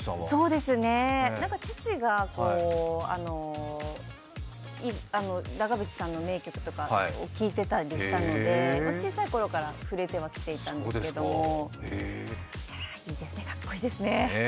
そうですね、父が長渕さんの名曲とか聴いてたりしたので小さいころから触れてはきていたんですけどかっこいいですね。